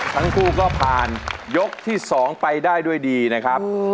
ทั้งคู่ก็ผ่านยกที่๒ไปได้ด้วยดีนะครับ